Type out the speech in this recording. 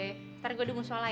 ntar gue dukung sholat ya